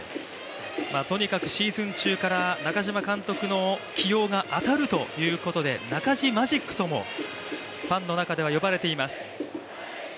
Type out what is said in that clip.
とにかくシーズン中から中嶋監督の起用が当たるということでなかじマジックともファンの中では呼ばれています。